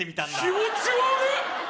気持ち悪っ！